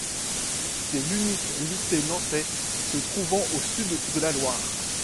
C'est l'unique lycée nantais se trouvant au sud de la Loire.